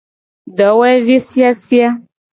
Dowevi siasia.